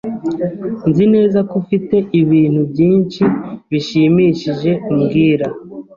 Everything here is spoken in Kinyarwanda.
Nzi neza ko ufite ibintu byinshi bishimishije umbwira.